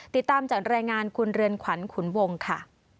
ติดตามจากรายงานคุณเรือนขวัญขุนวงค่ะ